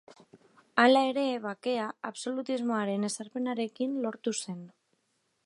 Hala ere, bakea, absolutismoaren ezarpenarekin lortu zen.